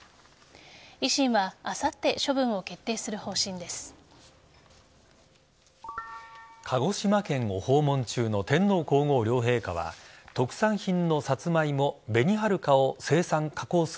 維新は、あさって処分を決定する方針です。